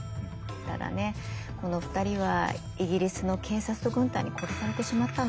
ただねこの２人はイギリスの警察と軍隊に殺されてしまったの。